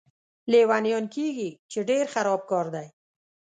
لیونیان کېږي، چې ډېر خراب کار دی.